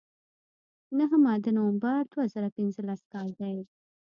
نهمه د نومبر دوه زره پینځلس کال دی.